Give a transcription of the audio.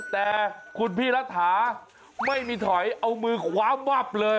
แต่คุณพี่รัฐาไม่มีถอยเอามือคว้าวับเลย